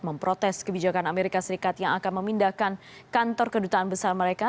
memprotes kebijakan amerika serikat yang akan memindahkan kantor kedutaan besar mereka